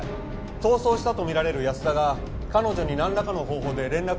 逃走したとみられる安田が彼女になんらかの方法で連絡を取ってくる可能性